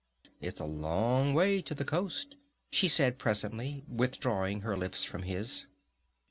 "It's a long way to the coast," she said presently, withdrawing her lips from his.